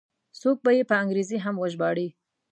څوک به یې په انګریزي هم وژباړي.